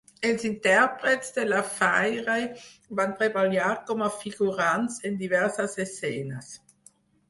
Els intèrprets de la Faire van treballar com a figurants en diverses escenes.